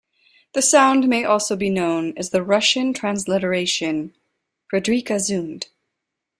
The sound may also be known as the Russian transliteration Fridrikhe Zund.